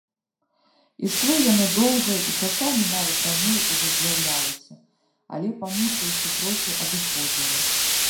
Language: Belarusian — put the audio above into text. Ішло яно доўга і часамі нават раней ужо з'яўлялася, але, памучыўшы трохі, адыходзіла.